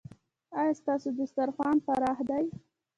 ایا ستاسو دسترخوان پراخ دی؟